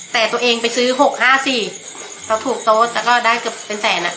แต่ตัวเองไปซื้อ๖๕๔เขาถูกโต๊ะแล้วก็ได้เกือบเป็นแสนอ่ะ